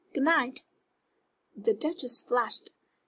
Good night!" The Duchess flushed.